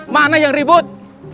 mana yang ribut